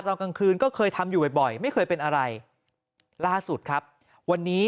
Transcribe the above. ตอนกลางคืนก็เคยทำอยู่บ่อยบ่อยไม่เคยเป็นอะไรล่าสุดครับวันนี้